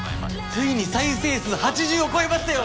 ついに再生数８０を超えましたよ。